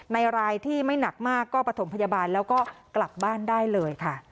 รายที่ไม่หนักมากก็ประถมพยาบาลแล้วก็กลับบ้านได้เลยค่ะ